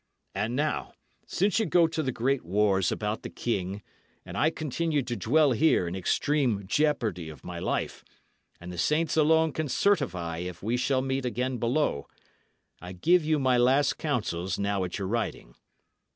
And now, since ye go to the great wars about the king, and I continue to dwell here in extreme jeopardy of my life, and the saints alone can certify if we shall meet again below, I give you my last counsels now at your riding.